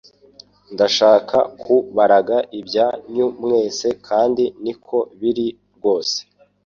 ndashaka ku baraga ibya nyu mwese kandi niko biri rwose